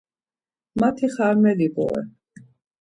Mati xarmeli bore.